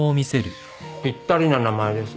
ぴったりな名前です。